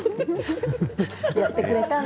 やってくれたんだ